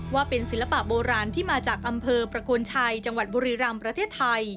ว่าเป็นศิลปะโบราณที่มาจากอำเภอประโคนชัยจังหวัดบุรีรำประเทศไทย